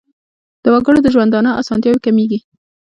د وګړو د ژوندانه اسانتیاوې کمیږي.